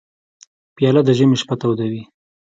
پیاله د ژمي شپه تودوي.